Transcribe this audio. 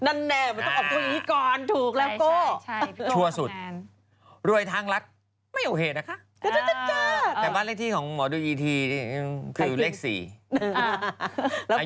นั่นแน่มันต้องออกตัวอีกก่อนถูกแล้วโก้ชั่วสุดรวยทางรัฐไม่เอาเหตุค่ะแต่บ้านเลขที่ของหมอดูอีทีคือเลข๔อายุ๕๘